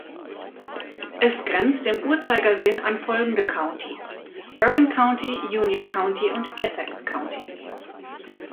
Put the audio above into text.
Es grenzt im Uhrzeigersinn an folgende Countys: Bergen County, Union County und Essex County.